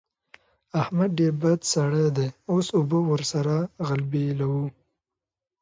احمد ډېر بد سړی دی؛ اوس اوبه ور سره غلبېلوو.